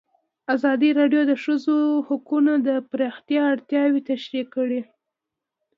ازادي راډیو د د ښځو حقونه د پراختیا اړتیاوې تشریح کړي.